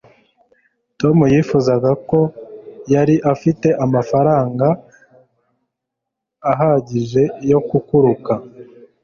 tom yifuzaga ko yari afite amafaranga ahagije yo gukukuruka